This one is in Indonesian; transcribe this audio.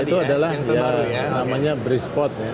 nah itu adalah ya namanya bridgeport ya